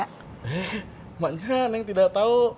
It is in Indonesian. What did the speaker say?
eh makanya neng tidak tahu